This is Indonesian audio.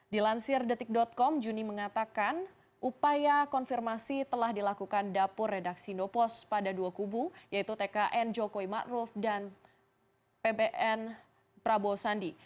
di lansir detik com juni mengatakan upaya konfirmasi telah dilakukan dapur redaksi indopos pada dua kubu yaitu tkn jokowi matruf dan pbn prabowo sandi